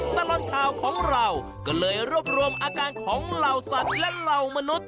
ตลอดข่าวของเราก็เลยรวบรวมอาการของเหล่าสัตว์และเหล่ามนุษย